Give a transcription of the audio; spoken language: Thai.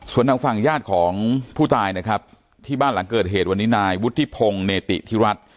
ส่วนทางฝั่งญาติของผู้ตายนะครับที่บ้านหลังเกิดเหตุวันนี้นายวุฒิพงศ์เนติธิรัฐ